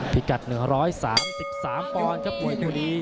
พี่กัด๑๓๓ปอนด์ครับบวยบุรี